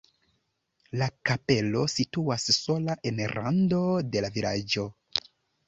La kapelo situas sola en rando de la vilaĝo.